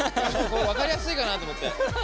分かりやすいかなと思って。